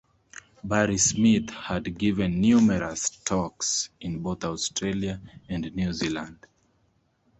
Barry Smith had given numerous talks in both Australia and New Zealand.